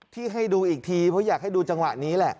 ที่ให้ดูอีกทีเพราะอยากให้ดูจังหวะนี้แหละ